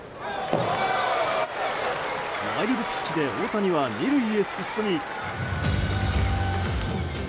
ワイルドピッチで大谷は２塁へ進み。